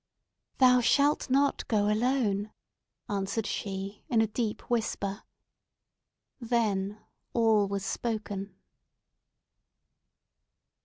"Thou shall not go alone!" answered she, in a deep whisper. Then, all was spoken!